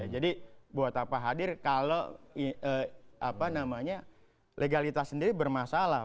jadi buat apa hadir kalau legalitas sendiri bermasalah